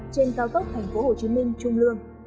trên cao tốc thành phố hồ chí minh trung lương